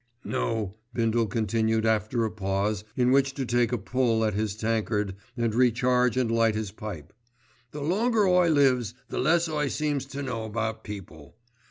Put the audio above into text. "No," Bindle continued after a pause in which to take a pull at his tankard and recharge and light his pipe, "the longer I lives the less I seems to know about people.